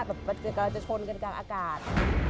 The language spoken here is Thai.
กำลังจะชนกันกลางอากาศ